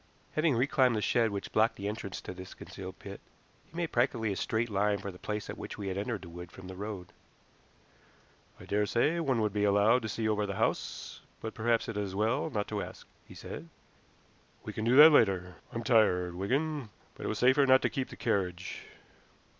Having reclimbed the shed which blocked the entrance to this concealed pit, he made practically a straight line for the place at which we had entered the wood from the road. "I daresay one would be allowed to see over the house, but perhaps it is as well not to ask," he said. "We can do that later. I'm tired, Wigan; but it was safer not to keep the carriage."